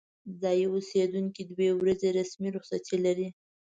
ځايي اوسیدونکي دوې ورځې رسمي رخصتي لري.